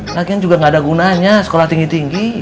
latihan juga gak ada gunanya sekolah tinggi tinggi